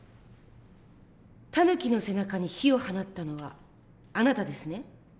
タヌキの背中に火を放ったのはあなたですね？